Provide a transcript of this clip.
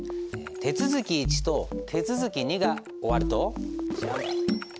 手続き１と手続き２が終わるとジャン。